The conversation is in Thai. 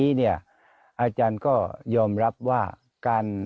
พระท่านกลับมาลับ